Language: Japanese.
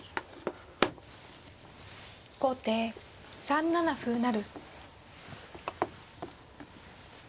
後手３七歩成。